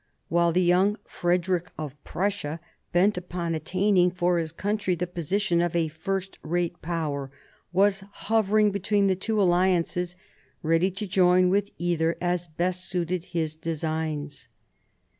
While the young Frederick of Prussia, bent upon attaining for his country the position of a first rate Power, was hovering between the two alliances, ready to join with either, as best suited his own designs.